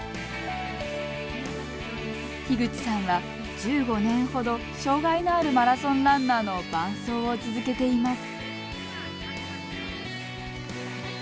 樋口さんは１５年ほど障がいのあるマラソンランナーの伴走を続けています。